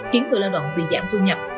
khiến người lao động bị giảm thu nhập